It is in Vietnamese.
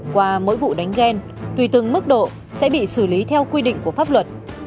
qua mỗi vụ đánh ghen tùy từng mức độ sẽ bị xử lý theo quy định của pháp luật